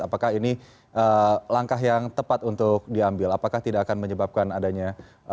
apakah ini langkah yang tepat untuk diambil apakah tidak akan menyebabkan adanya